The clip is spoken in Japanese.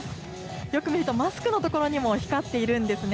よく見ると、マスクの所にも光っているんですね。